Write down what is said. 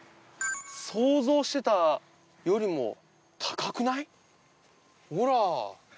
想像してたよりも高くない？ほら。